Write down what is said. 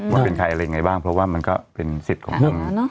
ว่าเป็นใครอะไรยังไงบ้างเพราะว่ามันก็เป็นสิทธิ์ของทาง